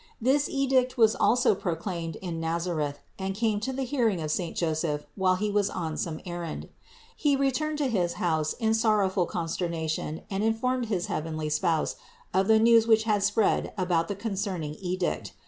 This edict was also proclaimed in Nazareth and came to the hearing of saint Joseph while he was on some errand. He returned to his house in sorrowful consternation and informed his heavenly Spouse of the 374 THE INCARNATION 375 news which had spread about concerning the edict.